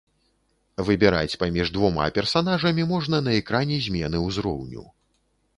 Выбіраць паміж двума персанажамі можна на экране змены ўзроўню.